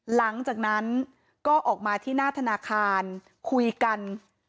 หลังจากนั้นก็ออกมาที่หน้าธนาคารคุยกัน